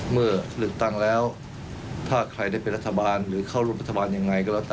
คุณให้ได้เป็นรัฐบาลหรือเข้ารุงรัฐบาลอย่างไรก็แล้วแต่